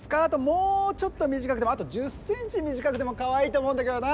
もうちょっと短くてもあと１０センチ短くてもかわいいと思うんだけどな。